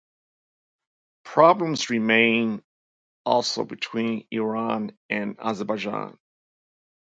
Problems remain also between Iran and Azerbaijan.